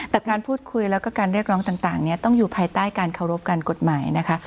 แต่การพูดคุยแล้วก็การเรียกร้องต่างเนี่ยต้องอยู่ภายใต้การเคารพการกฎหมายนะคะ